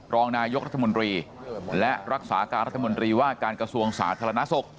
รองนายกรัฐมนตรีและรักษาการรัฐมนตรีว่าการกระทรวงสาธารณสุข